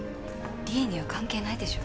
利恵には関係ないでしょ